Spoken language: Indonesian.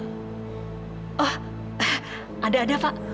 oh ada ada pak